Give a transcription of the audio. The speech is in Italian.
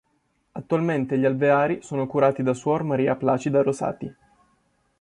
Attualmente gli alveari sono curati da suor Maria Placida Rosati.